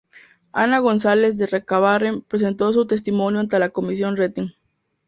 Ana González de Recabarren presentó su testimonio ante la Comisión Rettig.